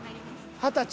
二十歳？